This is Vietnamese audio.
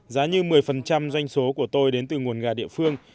giá như một mươi doanh số của tôi đến từ nguồn gà địa phương